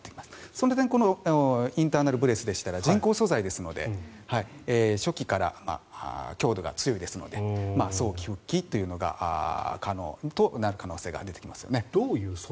その点インターナル・ブレースは人工素材ですので初期から強度が強いですので早期復帰というのが可能となる可能性が出てきますよね。